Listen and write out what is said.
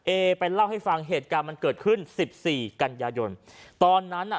เอไปเล่าให้ฟังเหตุการณ์มันเกิดขึ้นสิบสี่กันยายนตอนนั้นน่ะ